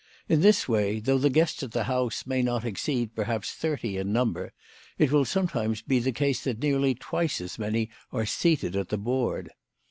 In this way, though the guests at the house may not exceed perhaps thirty in number, it will sometimes be the case that nearly twice as many are seated at the board.